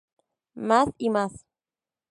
Más y más.